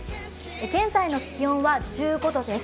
現在の気温は１５度です。